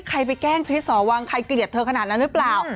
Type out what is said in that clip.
ใครไปแกล้งคริสหอวังใครเกลียดเธอขนาดนั้นหรือเปล่า